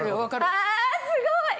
あすごい！